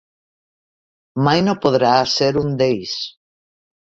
Mai no podrà ser un d'ells.